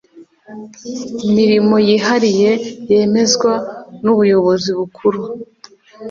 mirimo yihariye yemezwa n ubuyobozi bukuru